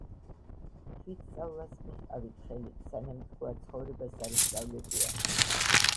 „თვითსწავლას მიჰყავით ხელი, სანამ ჭკუა ცხოვრებას არ უსწავლებია.”